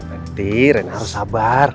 nanti rena harus sabar